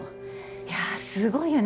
いやすごいよね